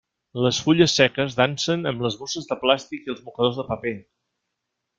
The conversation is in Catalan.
Les fulles seques dansen amb les bosses de plàstic i els mocadors de paper.